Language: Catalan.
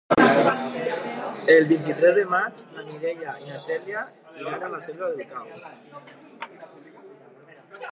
El vint-i-tres de maig na Mireia i na Cèlia iran a la Selva del Camp.